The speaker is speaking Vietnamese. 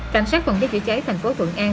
cảnh sát phòng thiết cháy thành phố thuận an